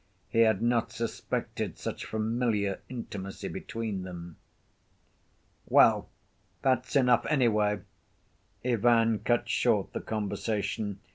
He had not suspected such familiar intimacy between them. "Well, that's enough, anyway," Ivan cut short the conversation.